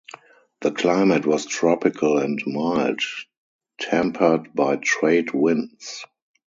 The climate was tropical and mild, tempered by trade winds.